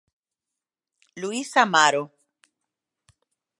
Luís Amaro.